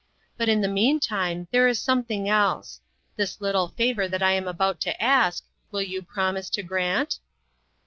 But in the meantime, there is something else. This little favor that I am about to ask, will you promise to grant